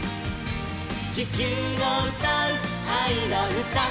「地球のうたうあいのうた」